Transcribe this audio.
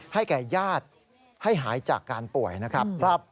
แก่ญาติให้หายจากการป่วยนะครับ